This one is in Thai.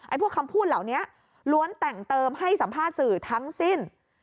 พวกคำพูดเหล่านี้ล้วนแต่งเติมให้สัมภาษณ์สื่อทั้งสิ้น